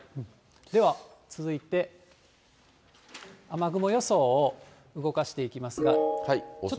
では続いて、雨雲予想を動かしていきますが。